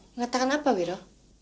mengatakan apa wiro